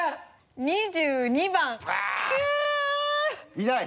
いない？